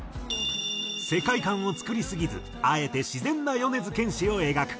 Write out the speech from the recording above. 世界観を作りすぎずあえて自然な米津玄師を描く。